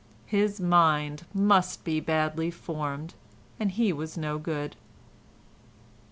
His mind must be badly formed and he was no good.